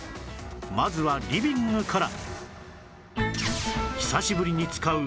まずはリビングから